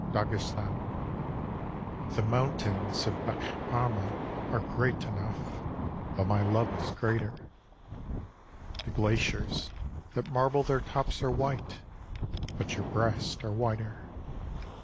26 LOVE SONG. THE mountains of Bech'Parma are great enough, But my love is greater. The glaciers that marble their tops are white, But your breasts are whiter.